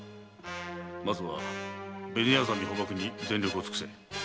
まずは紅薊捕縛に全力を尽くせ。